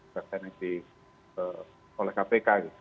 dan yang di oleh kpk gitu